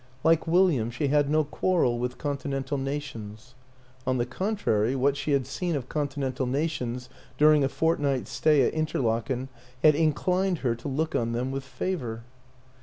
Like William, she had no quarrel with Conti nental nations ; on the contrary, what she had seen of Continental nations during a fortnight's stay at Interlaken had inclined her to look on them with favor.